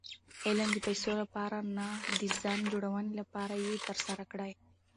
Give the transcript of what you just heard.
علم د پېسو له پاره نه، د ځان جوړوني له پاره ئې ترسره کړئ.